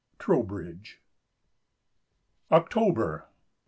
'" —Trowbridge. October.